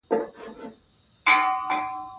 ازادي راډیو د د انتخاباتو بهیر حالت په ډاګه کړی.